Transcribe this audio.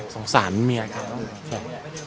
สงสารเมียฉัน